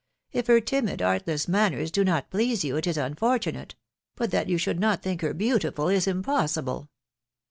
... If her timid, artless manners do not please you, it is unfortunate ; but that you should not think her beautiful, is impossible."